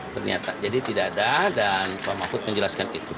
ternyata jadi tidak ada dan pak mahfud menjelaskan itu